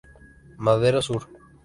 Madero Sur.